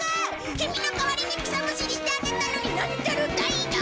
キミの代わりに草むしりしてあげたのになんたる態度！